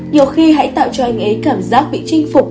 nhiều khi hãy tạo cho anh ấy cảm giác bị chinh phục